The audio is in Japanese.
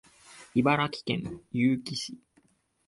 茨城県結城市